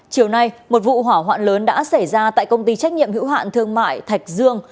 chiều nay một vụ hỏa hoạn lớn đã xảy ra tại công ty trách nhiệm hữu hạn thương mại thạch dương